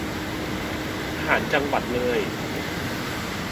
ทหารจังหวัดเลย